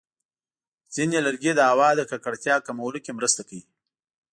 ځینې لرګي د هوا د ککړتیا کمولو کې مرسته کوي.